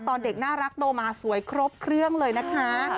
ตอนเด็กน่ารักโตมาสวยครบเครื่องเลยนะคะ